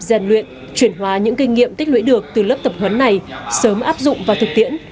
giàn luyện chuyển hóa những kinh nghiệm tích lưỡi được từ lớp tập huấn này sớm áp dụng và thực tiễn